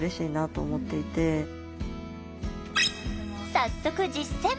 早速実践。